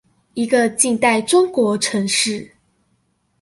一個近代中國城市